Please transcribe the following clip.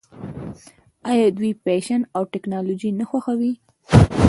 آیا دوی فیشن او ټیکنالوژي نه خوښوي؟